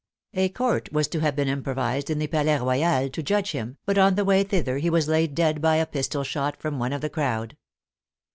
A Court was to have been improvised in the Palais Royal to judge him, but on the way thither he was laid dead by a pistol shot from one of the crowd.